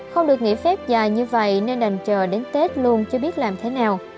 không được nghỉ phép dài như vậy nên đành chờ đến tết luôn chưa biết làm thế nào